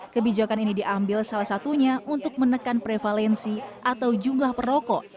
kebijakan ini diambil salah satunya untuk menekan prevalensi atau jumlah perokok